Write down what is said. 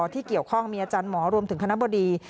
ที่เกี่ยวข้องมีอาจารย์หมอรวมถึงคณะบดี